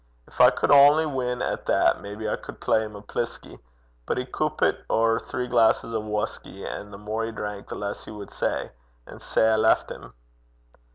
Gin I cud only win at that, maybe I cud play him a plisky. But he coupit ower three glasses o' whusky, an' the mair he drank the less he wad say. An' sae I left him.'